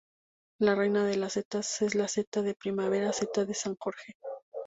La reina de las setas es la seta de primavera –seta de San Jorge.